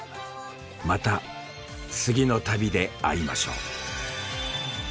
また次の旅で会いましょう。